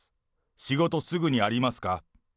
仕事すぐにありますか？